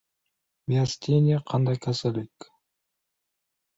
Miasteniya qanday kasallik?